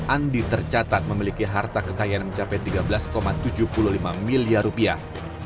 andi tercatat memiliki harta kekayaan mencapai tiga belas tujuh puluh lima miliar rupiah